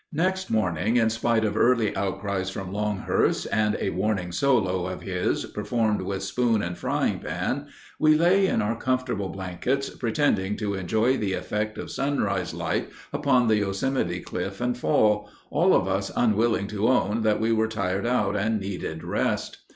Next morning, in spite of early outcries from Longhurst, and a warning solo of his performed with spoon and fry pan, we lay in our comfortable blankets pretending to enjoy the effect of sunrise light upon the Yosemite cliff and fall, all of us unwilling to own that we were tired out and needed rest.